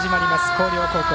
広陵高校。